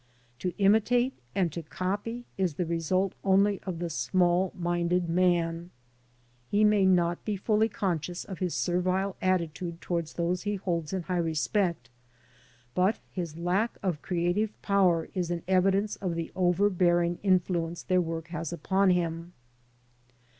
To imitate and to copy is the resort only of the small minded man. He may not be fully conscious of his servile attitude towards those he holds in high respect, but his lack of creative power is an evidence of the overbearing influence their work has upon him.